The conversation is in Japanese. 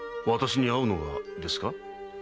私に会うのがですか？